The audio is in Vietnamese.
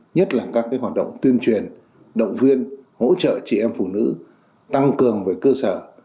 nhất là các hoạt động tuyên truyền động viên hỗ trợ chị em phụ nữ tăng cường về cơ sở